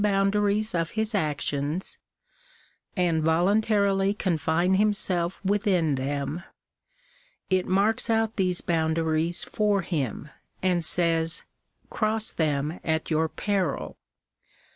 boundaries of his actions and voluntarily confine himself within them, it marks out these boundaries for him, and says^~" cross them at your peril."